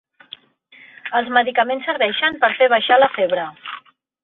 Els medicaments serveixen per fer baixar la febre.